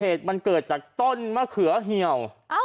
เหตุมันเกิดจากต้นมะเขือเหี่ยว